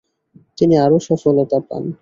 তিনি আরও সফলতা পান।